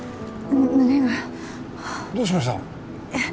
胸がどうしました？